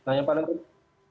nah yang paling penting